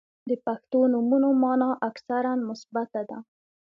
• د پښتو نومونو مانا اکثراً مثبته ده.